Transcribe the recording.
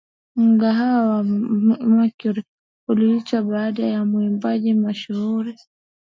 Mgahawa wa Mercury uliitwa baada ya mwimbaji mashuhuri